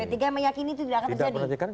ptg meyakini itu tidak akan terjadi